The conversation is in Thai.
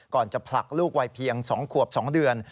จะผลักลูกวัยเพียง๒ขวบ๒เดือน